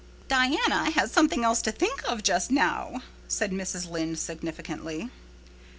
"Diana has something else to think of just now," said Mrs. Lynde significantly.